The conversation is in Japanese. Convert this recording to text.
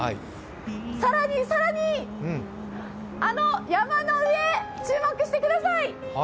更に更に、あの山の上、注目してください。